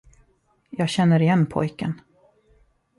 Jag känner igen pojken.